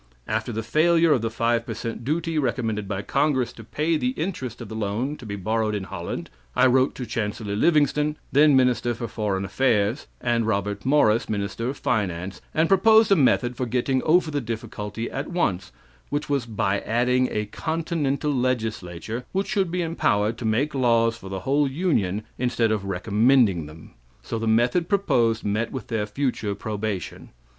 "After the failure of the 5 percent duty recommended by congress to pay the interest of the loan to be borrowed in Holland, I wrote to Chancellor Livingston, then minister for foreign affairs, and Robert Morris, minister of finance, and proposed a method for getting over the difficulty at once, which was by adding a continental legislature which should be empowered to make laws for the whole union instead of recommending them. So the method proposed met with their future probation.